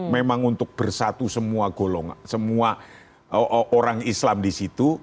memang untuk bersatu semua orang islam di situ